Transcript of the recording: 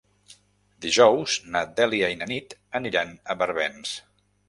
Dijous na Dèlia i na Nit aniran a Barbens.